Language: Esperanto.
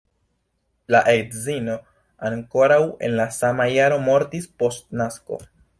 La edzino ankoraŭ en la sama jaro mortis, post nasko.